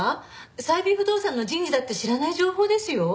最美不動産の人事だって知らない情報ですよ？